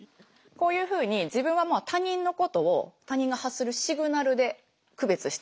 こういうふうに自分はもう他人のことを他人が発するシグナルで区別しているわけですよね。